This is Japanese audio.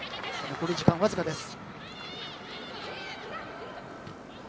残り時間、わずかです。